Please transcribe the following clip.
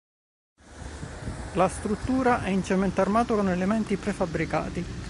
La struttura è in cemento armato con elementi prefabbricati.